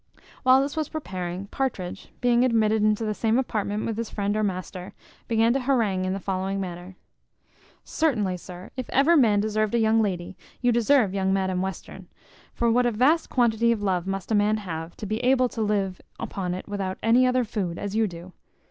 While this was preparing, Partridge, being admitted into the same apartment with his friend or master, began to harangue in the following manner. "Certainly, sir, if ever man deserved a young lady, you deserve young Madam Western; for what a vast quantity of love must a man have, to be able to live upon it without any other food, as you do?